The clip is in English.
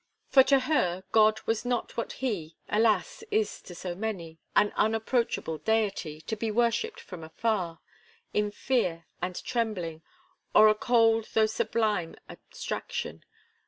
For to her, God was not what He, alas! is to so many an unapproachable Deity, to be worshipped from afar, in fear and trembling, or a cold though sublime abstraction.